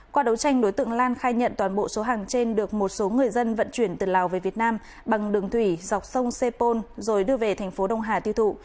qua đấu tranh đối tượng lan khai nhận toàn bộ số hàng trên được một số người dân vận chuyển từ lào về việt nam bằng đường thủy dọc sông sepol rồi đưa về thành phố đông hà tiêu thụ